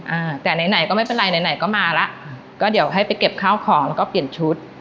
อ่าแต่ไหนไหนก็ไม่เป็นไรไหนไหนก็มาแล้วก็เดี๋ยวให้ไปเก็บข้าวของแล้วก็เปลี่ยนชุด